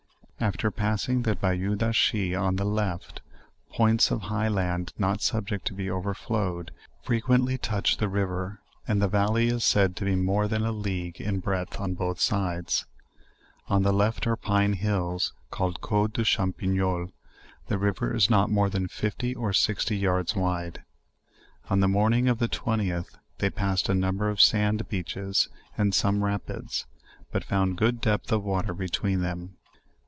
After passing the "Bayou de Hachis,' on the left, points of high land not subject to be overflowed, freqently touch the river; and the valley is said to be more than a league in breadth on both sides. On the left are pine hills, called r <Code de Champignole." The river is not more than fifty or sixty yards wide. On the morning of the 20th they pas sed a number 6f sand beaches and some rapids, but found good depth of water between them.